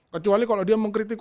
kecuali kalau dia mengkritik